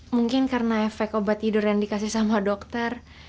mungkin karena efek obat tidur yang dikasih sama dokter